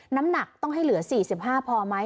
น้ำหนักต้องให้เหลือ๔๕พอไหม